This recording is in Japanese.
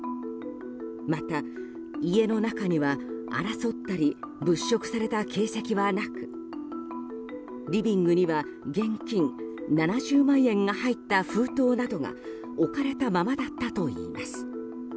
また、家の中には争ったり物色された形跡はなくリビングには現金７０万円が入った封筒などが置かれたままだったといいます。